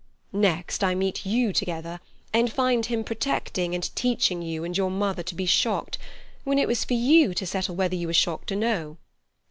Next, I meet you together, and find him protecting and teaching you and your mother to be shocked, when it was for you to settle whether you were shocked or no.